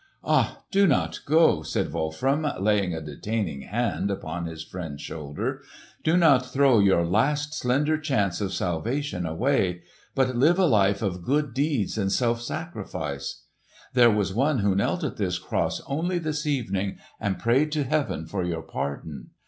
"Ah, do not go!" said Wolfram, laying a detaining hand upon his friend's shoulder. "Do not throw your last slender chance of salvation away; but live a life of good deeds and self sacrifice! There was one who knelt at this cross only this evening and prayed to heaven for your pardon.